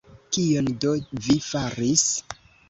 Kion do vi faris?